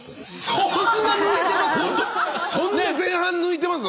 そんなに抜いてます？